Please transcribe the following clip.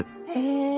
ええ。